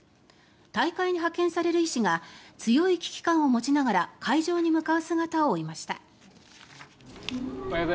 大会に派遣される医師が強い危機感を持ちながら会場に向かう姿を追いました。